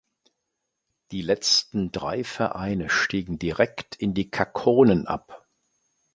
Die letzten drei Vereine stiegen direkt in die Kakkonen ab.